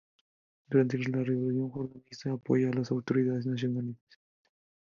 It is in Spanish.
Durante la rebelión jordanista apoyó a las autoridades nacionales.